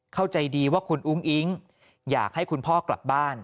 เข้าใจดีว่าคุณอุ้งอิ๊งอยากให้คุณพ่อกลับบ้าน